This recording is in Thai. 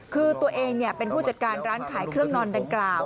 คือตัวเองเป็นผู้จัดการร้านขายเครื่องนอนดังกล่าว